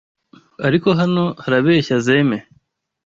Ariko hano harabeshya Zeme